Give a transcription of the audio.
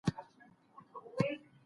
د زکات فریضه لازمه ده.